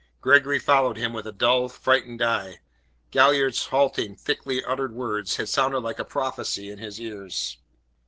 Gregory followed him with a dull, frightened eye. Galliard's halting, thickly uttered words had sounded like a prophecy in his ears.